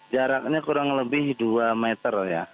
jaraknya kurang lebih dua meter ya